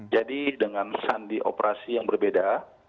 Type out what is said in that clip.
jadi dengan sandi operasi yang berbeda